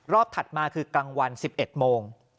ถัดมาคือกลางวัน๑๑โมง